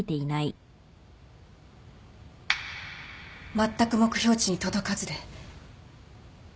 まったく目標値に届かずで。